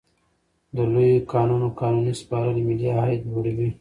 د لویو کانونو قانوني سپارل ملي عاید لوړوي.